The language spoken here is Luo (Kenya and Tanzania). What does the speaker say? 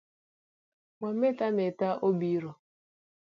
Wa meth ametha obiro.